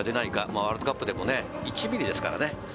ワールドカップでも１ｍｍですからね。